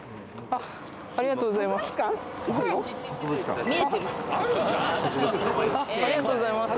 ありがとうございます